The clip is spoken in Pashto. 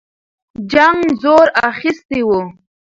جنګ زور اخیستی وو.